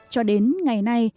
cho đến ngày nay